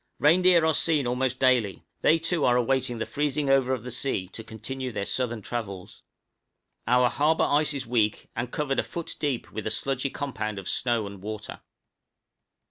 Reindeer are seen almost daily; they too are awaiting the freezing over of the sea to continue their southern travels. Our harbor ice is weak and covered a foot deep with a sludgy compound of snow and water.